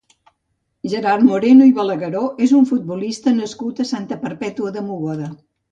Gerard Moreno i Balagueró és un futbolista nascut a Santa Perpètua de Mogoda.